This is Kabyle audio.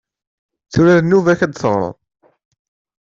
Tura d nnuba-k ad d-teɣreḍ.